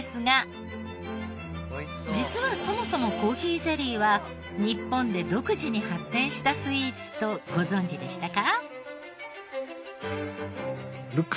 実はそもそもコーヒーゼリーは日本で独自に発展したスイーツとご存じでしたか？